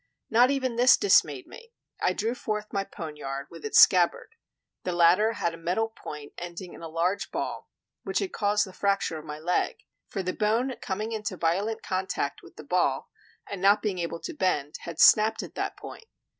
Not even this dismayed me: I drew forth my poniard with its scabbard; the latter had a metal point ending in a large ball, which had caused the fracture of my leg; for the bone coming into violent contact with the ball, and not being able to bend, had snapped at that point.